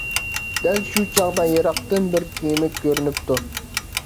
دەل شۇ چاغدا، يىراقتىن بىر كېمە كۆرۈنۈپتۇ.